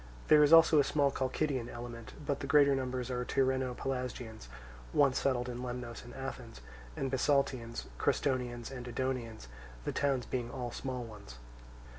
There is also a small Chalcidian element; but the greater number are Tyrrheno Pelasgians once settled in Lemnos and Athens, and Bisaltians, Crestonians, and Edonians; the towns being all small ones.